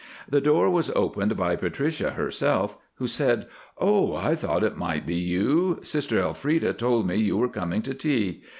The door was opened by Patricia herself, who said, "Oh, I thought it might be you. Sister Elfreda told me you were coming to tea.